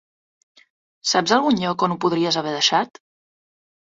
Saps algun lloc on ho podries haver deixat?